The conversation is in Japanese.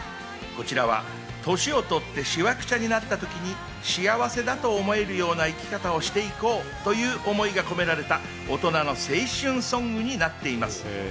こちらは年をとってしわくちゃになったときに幸せだと思えるような生き方をして行こうという思いが込められた大人の青春ソングになっています。